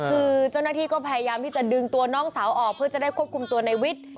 คือเจ้าหน้าที่ก็พยายามที่จะดึงตัวน้องสาวออกเพื่อจะได้ควบคุมตัวในวิทย์